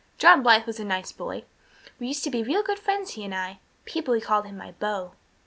John Blythe was a nice boy. We used to be real good friends, he and I. People called him my beau."